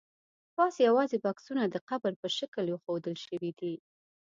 پاس یوازې بکسونه د قبر په شکل ایښودل شوي دي.